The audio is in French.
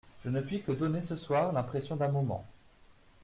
Je ne puis que donner ce soir l'impression d'un moment.